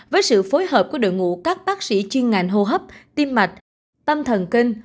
với sự phối hợp của đội ngũ các bác sĩ chuyên ngành hô hấp tim mạch tâm thần kinh